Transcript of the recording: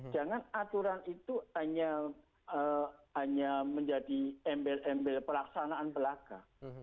jangan aturan itu hanya menjadi embel embel pelaksanaan belaka